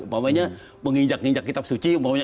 umpamanya menginjak ninjak kitab suci